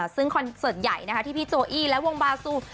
ซึ่งคอนเสิร์ตใหญ่ที่พี่โจอี้และวงบาซู